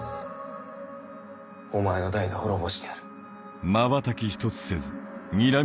お前の代で滅ぼしてやる。